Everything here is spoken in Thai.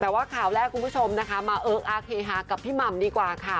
แต่ว่าข่าวแรกคุณผู้ชมนะคะมาเอิ๊กอาร์เฮฮากับพี่หม่ำดีกว่าค่ะ